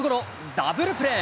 ダブルプレー。